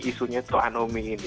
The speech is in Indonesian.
isunya keanomi ini